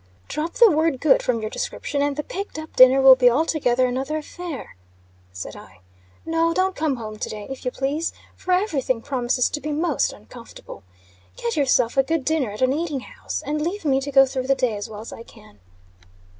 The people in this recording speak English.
"Drop the word good from your description, and the picked up dinner will be altogether another affair," said I. "No, don't come home to day, if you please; for every thing promises to be most uncomfortable. Get yourself a good dinner at an eating house, and leave me to go through the day as well as I can."